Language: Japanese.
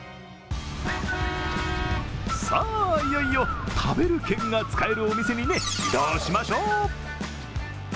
さあ、いよいよ食べる券が使えるお店に移動しましょう。